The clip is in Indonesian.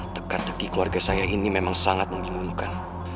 teka teki keluarga saya ini memang sangat membingungkan